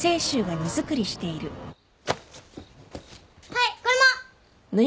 はいこれも。